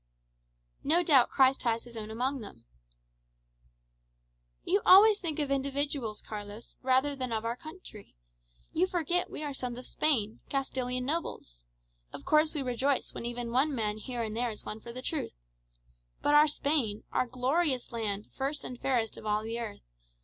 "No doubt Christ has his own amongst them." "You always think of individuals, Carlos, rather than of our country. You forget we are sons of Spain, Castilian nobles. Of course we rejoice when even one man here and there is won for the truth. But our Spain! our glorious land, first and fairest of all the earth!